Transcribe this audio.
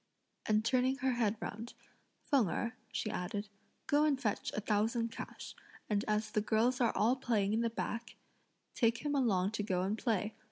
and turning her head round, "Feng Erh," she added, "go and fetch a thousand cash; and as the girls are all playing at the back, take him along to go and play.